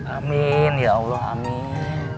amin ya allah amin